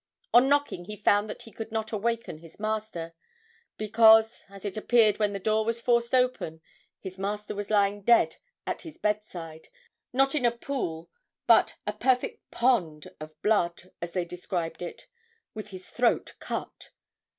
On knocking he found that he could not awaken his master, because, as it appeared when the door was forced open, his master was lying dead at his bedside, not in a pool, but a perfect pond of blood, as they described it, with his throat cut.'